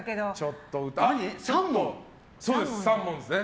３問ですね。